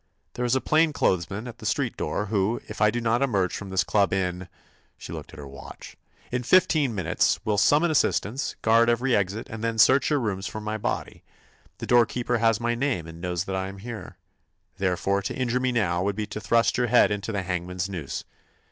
There is a plain clothes man at the street door, who, if I do not emerge from this club in—" she looked at her watch—"in fifteen minutes, will summon assistance, guard every exit, and then search your rooms for my body. The doorkeeper has my name and knows that I am here. Therefore, to injure me now would be to thrust your head into the hangman's noose.